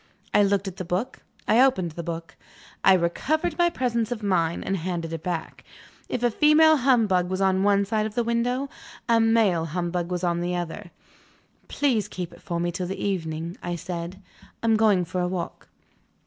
I looked at the book; I opened the book; I recovered my presence of mind, and handed it back. If a female humbug was on one side of the window, a male humbug was on the other. "Please keep it for me till the evening," I said; "I am going for a walk."